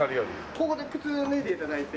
ここで靴脱いで頂いて。